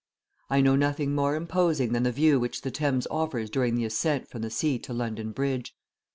I know nothing more imposing than the view which the Thames offers during the ascent from the sea to London Bridge.